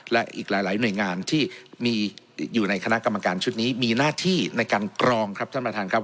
และอีกหลายหน่วยงานที่มีอยู่ในคณะกรรมการชุดนี้มีหน้าที่ในการกรองครับท่านประธานครับ